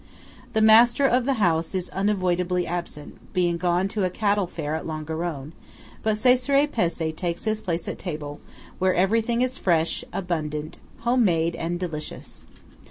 The master of the house is unavoidably absent, being gone to a cattle fair at Longarone; but Cesare Pezzé takes his place at table, where everything is fresh, abundant, home made, and delicious.